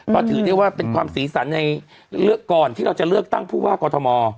ก็ถือได้ว่าเป็นความสีสันในก่อนที่เราจะเลือกตั้งผู้ว่ากอทม